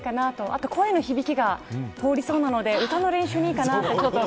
あと声の響きが通りそうなので歌の練習にもいいかなと。